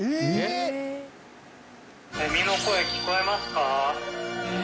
「セミの声聞こえますか？」